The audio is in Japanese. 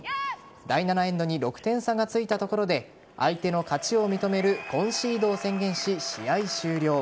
第７エンドに６点差がついたところで相手の勝ちを認めるコンシードを宣言し、試合終了。